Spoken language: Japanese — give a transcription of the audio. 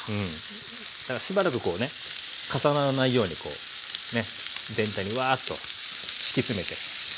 だからしばらくこうね重ならないようにこうね全体にわあっと敷き詰めて。